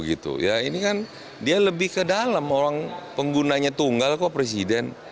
ini kan dia lebih ke dalam orang penggunanya tunggal kok presiden